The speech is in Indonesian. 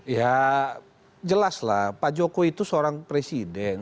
ya jelaslah pak jokowi itu seorang presiden